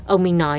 ông minh nói